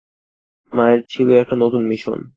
মায়ের ছিল একটা নতুন মিশন।